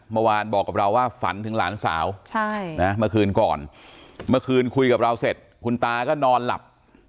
เมื่อวานบอกกับเราว่าฝันถึงหลานสาวเมื่อคืนก่อนเมื่อคืนคุยกับเราเสร็จคุณตาก็นอนหลับ